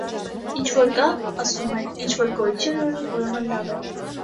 ինչ որ կա, ասում է, ինչ որ գոյություն ունի, ուրեմն լավ է: